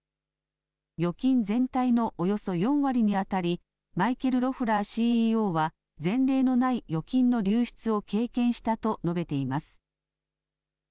預金全体のおよそ４割に当たり、マイケル・ロフラーＣＥＯは、前例のない預金の流出を経験したと述べています。